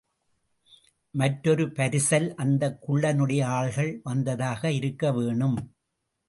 மற்றொரு பரிசல் அந்தக் குள்ளனுடைய ஆள்கள் வந்ததாக இருக்க வேணும்.